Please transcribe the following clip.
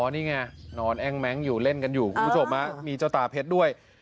นี่ไงนอนแอ้งแม้งอยู่เล่นกันอยู่คุณผู้ชมมีเจ้าตาเพชรด้วย